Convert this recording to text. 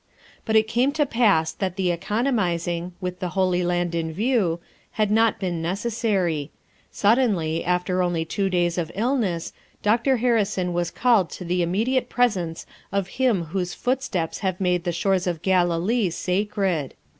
But it came to pass that economizing, with 30 FOUR MOTHERS AT CHAUTAUQUA the Holy Land in view, had not been neces sary; suddenly, after only two days of illness, Dr. Harrison was called to the immediate pres ence of Him whose footsteps have made the shores of Galilee sacred.